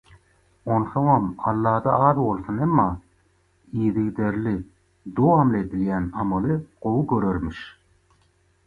Onsoňam Alla-da az bolsun, emma yzygiderli, dowamly edilýän amaly gowy görermiş.